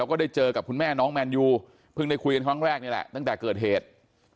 ก็ได้เจอกับคุณแม่น้องแมนยูเพิ่งได้คุยกันครั้งแรกนี่แหละตั้งแต่เกิดเหตุ